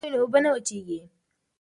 که سیندونه وي نو اوبه نه وچېږي.